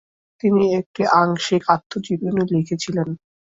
তিনি একটি আংশিক আত্মজীবনী লিখেছেন।